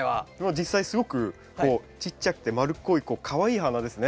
実際すごくこうちっちゃくて丸っこいかわいい花ですね。